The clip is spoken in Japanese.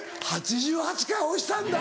８８回押したんだ！